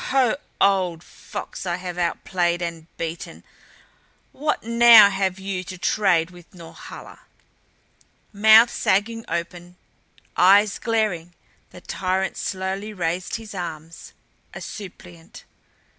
Ho old fox I have outplayed and beaten, what now have you to trade with Norhala?" Mouth sagging open, eyes glaring, the tyrant slowly raised his arms a suppliant.